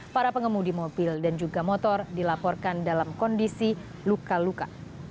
para pengemudi mobil dan juga motor dilaporkan dalam kondisi luka luka